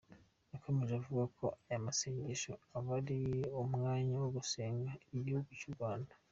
Yakomeje avuga ko aya masengesho aba ari umwanya wo gusengera igihugu cy’u Rwanda.